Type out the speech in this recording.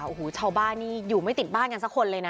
โอ้โหชาวบ้านนี่อยู่ไม่ติดบ้านกันสักคนเลยนะ